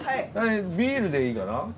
ビールでいいかな。